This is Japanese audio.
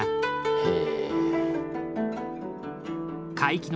へえ。